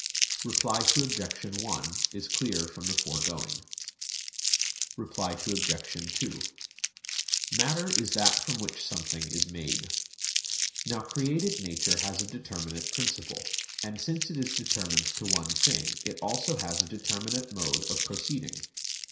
Reply Obj. 1 is clear from the foregoing. Reply Obj. 2: Matter is that from which something is made. Now created nature has a determinate principle; and since it is determined to one thing, it has also a determinate mode of proceeding.